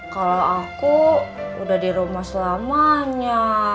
kalau aku udah di rumah selamanya